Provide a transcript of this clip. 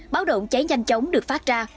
báo động cháy nhanh chóng được phát ra